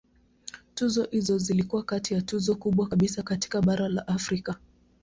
Tuzo hizo zilikuwa kati ya tuzo kubwa kabisa katika bara la Afrika.